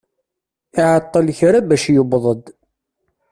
Iɛeṭṭel kra bac yewweḍ-d.